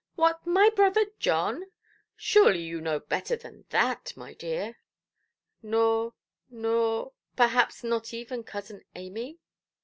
"What, my brother John! Surely you know better than that, my dear". "Nor—nor—perhaps not even cousin Amy"?